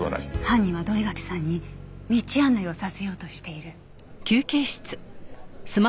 犯人は土居垣さんに道案内をさせようとしている。